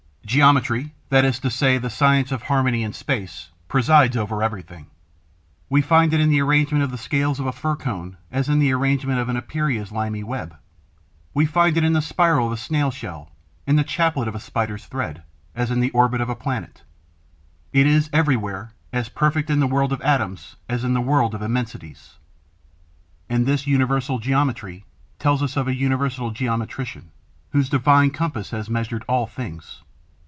Geometry, that is to say, the science of harmony in space, presides over everything. We find it in the arrangement of the scales of a fir cone, as in the arrangement of an Epeira's limy web; we find it in the spiral of a Snail shell, in the chaplet of a Spider's thread, as in the orbit of a planet; it is everywhere, as perfect in the world of atoms as in the world of immensities. And this universal geometry tells us of an Universal Geometrician, whose divine compass has measured all things.